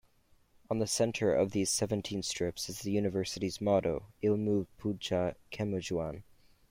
On the centre of these seventeen strips is the university's motto 'Ilmu Puncha Kemajuan'.